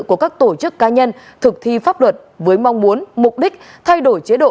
của các tổ chức cá nhân thực thi pháp luật với mong muốn mục đích thay đổi chế độ